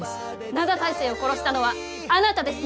灘大聖を殺したのはあなたですね？